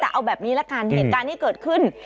แต่เอาแบบนี้ละกันเหตุการณ์ที่เกิดขึ้น